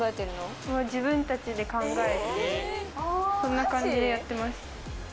こんな感じでやってます。